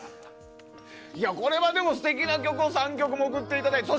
これは素敵な曲を３曲も送っていただいて。